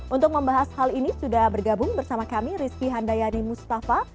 untuk membahas hal ini sudah bergabung bersama kami rizky handayani mustafa